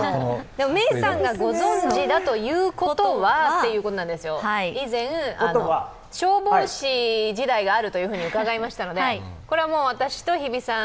メイさんがご存じだということはということなんですよ、以前、消防士時代があると伺いましたので、これはもう、私と日比さん